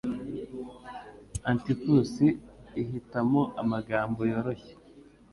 Atticus ihitamo amagambo yoroshye